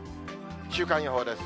週間予報です。